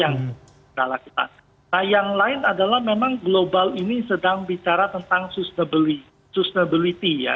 nah yang lain adalah memang global ini sedang bicara tentang sustainability ya